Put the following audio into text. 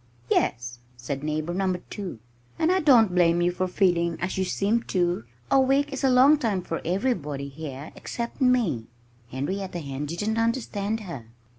"Yes!" said Neighbor Number 2. "And I don't blame you for feeling as you seem to. A week is a long time for everybody here except me." Henrietta Hen didn't understand her.